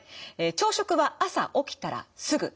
朝食は朝起きたらすぐ。